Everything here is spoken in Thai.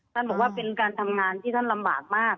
ท่านบอกว่าเป็นการทำงานที่ท่านลำบากมาก